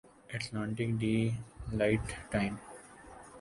Atlantic daylight time